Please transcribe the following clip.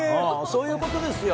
そういうことですよ。